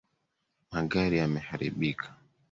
Magari yameharibika.